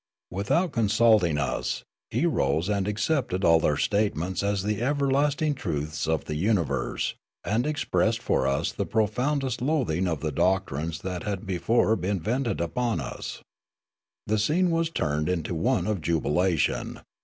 Without con sulting us, he rose and accepted all their statements as the everlasting truths of the universe, and expressed for us the profoundest loathing of the doctrines that had before been vented upon us. The scene was turned into one of jubilation.